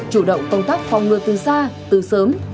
chủ động công tác phòng ngừa từ xa từ sớm